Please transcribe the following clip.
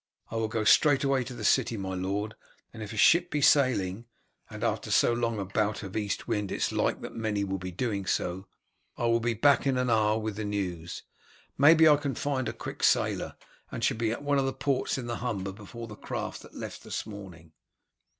I will go straight away to the city, my lord, and if a ship be sailing and after so long a bout of east wind it is like that many will be doing so I will be back in an hour with the news. Maybe I can find a quick sailer, and shall be at one of the ports in the Humber before the craft that left this morning."